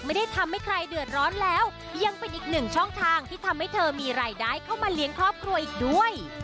ไม่ได้ทำให้ใครเดือดร้อนแล้วยังเป็นอีกหนึ่งช่องทางที่ทำให้เธอมีรายได้เข้ามาเลี้ยงครอบครัวอีกด้วย